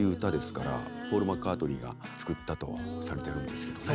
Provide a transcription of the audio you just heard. ポール・マッカートニーが作ったとされてるんですけどね。